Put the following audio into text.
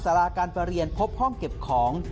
สาราการประเรียนพบห้องเก็บของ